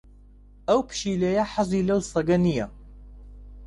ئەو پشیلەیە حەزی لەو سەگە نییە.